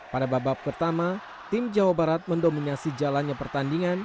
pada babak pertama tim jawa barat mendominasi jalannya pertandingan